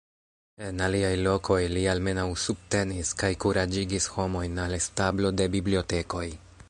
En aliaj lokoj li almenaŭ subtenis kaj kuraĝigis homojn al establo de bibliotekoj.